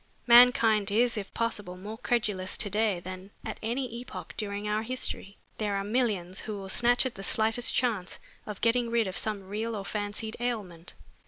Mankind is, if possible, more credulous to day than at any epoch during our history. There are millions who will snatch at the slightest chance of getting rid of some real or fancied ailment.